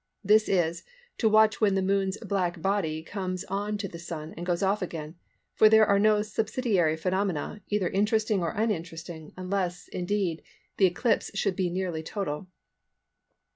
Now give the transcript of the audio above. This is, to watch when the Moon's black body comes on to the Sun and goes off again, for there are no subsidiary phenomena, either interesting or uninteresting, unless, indeed, the eclipse should be nearly total.